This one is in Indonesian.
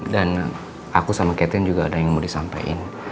dan aku sama katin juga ada yang mau disampaikan